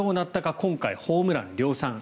今回、ホームラン量産。